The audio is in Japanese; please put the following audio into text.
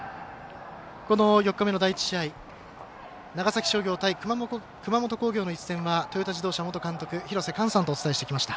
４日目の第１試合長崎商業対熊本工業の一戦はトヨタ自動車元監督廣瀬寛さんとお伝えしてきました。